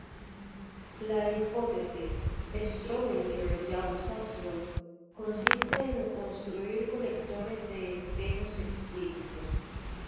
La hipótesis Strominger-Yau-Zaslow consiste en construir colectores de espejos explícitos.